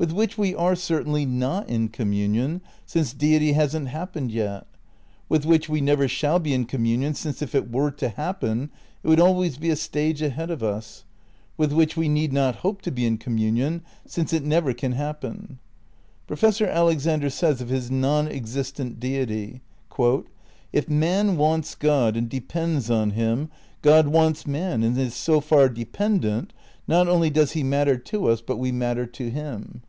With which we are certainly not in communion, since Deity hasn't happened yet. With which we never shall be in communion since, if it were to happen, it would always be a stage ahead of us. With which we need not hope to be in communion, since it never can happen. Professor Alexander says of his non existent Deity, "If man wants God and depends on him, God wants man and is so far dependent" ... "not only does he matter to us but we matter to him."